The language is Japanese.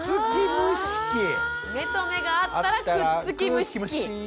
目と目があったらくっつき虫期。